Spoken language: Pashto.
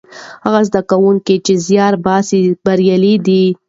هغه زده کوونکي چې زیار باسي بریالي دي.